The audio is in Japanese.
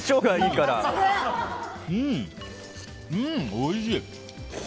おいしい！